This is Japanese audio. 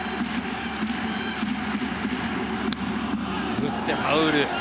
打って、ファウル。